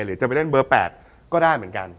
หรือจะไปเล่นเบอร์๘ก็ได้เหมือนกัน